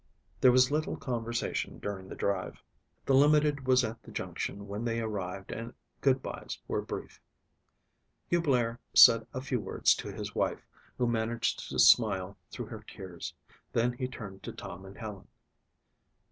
There was little conversation during the drive. The limited was at the junction when they arrived and goodbyes were brief. Hugh Blair said a few words to his wife, who managed to smile through her tears. Then he turned to Tom and Helen.